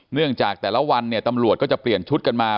เนื่องจากแต่ละวันเนี่ยตำรวจก็จะเปลี่ยนชุดกันมา